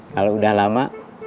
kalau udah lama